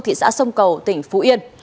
thị xã sông cầu tỉnh phú yên